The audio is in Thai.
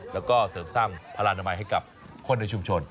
แล้วก็เสริมสร้างพลานามัยให้กับคนในชุมชน